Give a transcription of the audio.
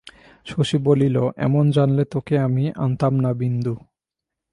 শশী বলিল, এমন জানলে তোকে আমি আনতাম না বিন্দু।